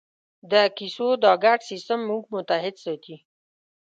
د کیسو دا ګډ سېسټم موږ متحد ساتي.